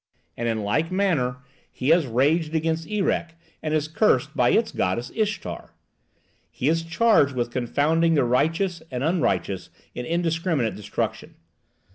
And in like manner he has raged against Erech, and is cursed by its goddess Ishtar. He is charged with confounding the righteous and unrighteous in indiscriminate destruction.